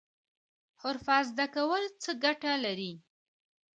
حرفه زده کول څه ګټه لري؟